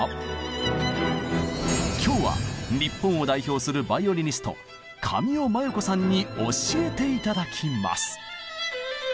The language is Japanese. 今日は日本を代表するバイオリニスト神尾真由子さんに教えて頂きます！